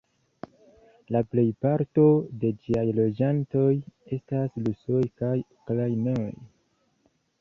La plejparto de ĝiaj loĝantoj estas rusoj kaj ukrainoj.